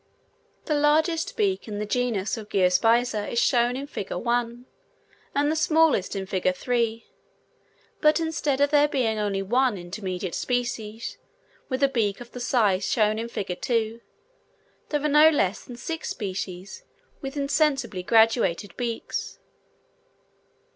The largest beak in the genus Geospiza is shown in Fig. 1, and the smallest in Fig. 3; but instead of there being only one intermediate species, with a beak of the size shown in Fig. 2, there are no less than six species with insensibly graduated beaks.